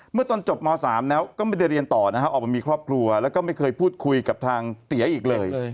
ตอนจบม๓แล้วก็ไม่ได้เรียนต่อนะฮะออกมามีครอบครัวแล้วก็ไม่เคยพูดคุยกับทางเตี๋ยอีกเลย